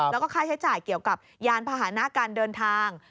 แล้วก็ค่าใช้จ่ายเกี่ยวกับยานพาหนะการเดินทาง